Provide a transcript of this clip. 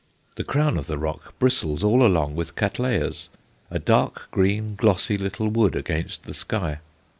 The crown of the rock bristles all along with Cattleyas, a dark green glossy little wood against the sky.